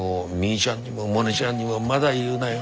ちゃんにもモネちゃんにもまだ言うなよ。